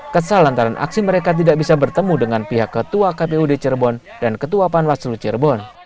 kesal antara aksi mereka tidak bisa bertemu dengan pihak ketua kpud cirebon dan ketua panwaslu cirebon